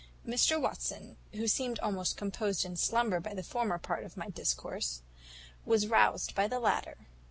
"Mr Watson, who seemed almost composed in slumber by the former part of my discourse, was roused by the latter.